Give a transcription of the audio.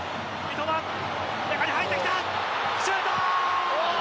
三笘、中に入ってきた。